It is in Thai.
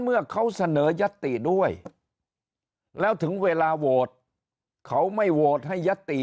เมื่อเขาเสนอยัตติด้วยแล้วถึงเวลาโหวตเขาไม่โหวตให้ยัตติ